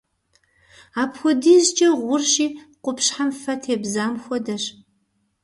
Апхуэдизкӏэ гъурщи, къупщхьэм фэ тебзам хуэдэщ.